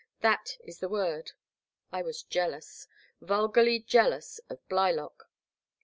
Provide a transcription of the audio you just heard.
— that is the word! — I was jealous — ^vulgarly jealous of Blylock.